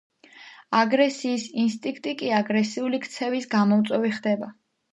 აგრესიის ინსტინქტი კი აგრესიული ქცევის გამომწვევი ხდება.